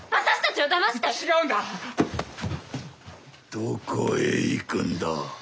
どこへ行くんだ。